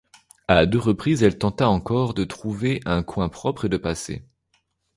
A deux reprises, elle tenta encore de trouver un coin propre et de passer.